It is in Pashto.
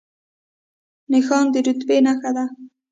نښان د رتبې نښه ده